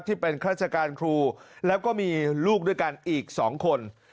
ที่เป็นราชการครูแล้วก็มีลูกด้วยกันอีก๒คน